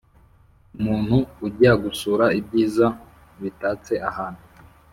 Umuntu ujya gusura ibyiza bitatse ahantu